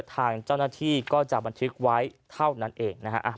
ทางเจ้าหน้าที่ก็จะบันทึกไว้เท่านั้นเองนะฮะ